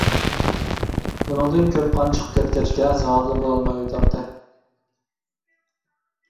ئۇنىڭدىن كۆپ قان چىقىپ كەتكەچكە زادىلا بولالمايۋاتاتتى.